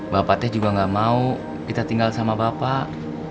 bapak teh juga gak mau kita tinggal sama bapak